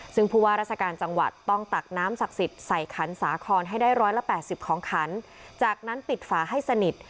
ซึ่งผู้ว่าราชการจังหวัดต้องตักน้ำศักดิ์สิทธิ์ใส่ขันสาครให้ได้ร้อยละแปดสิบของขันจากนั้นปิดฝาให้สนิท